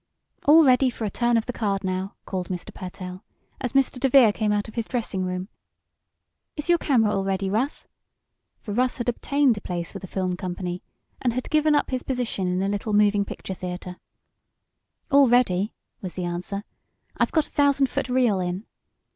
"All ready for 'A Turn of the Card' now!" called Mr. Pertell, as Mr. DeVere came out of his dressing room. "Is your camera all ready, Russ?" for Russ had obtained a place with the film company, and had given up his position in the little moving picture theatre. "All ready," was the answer. "I've got a thousand foot reel in."